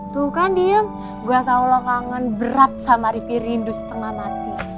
tuh kan dia gue tau lo kangen berat sama rifki rindu setengah mati